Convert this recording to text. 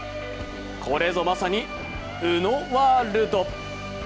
これぞまさに宇野ワールド。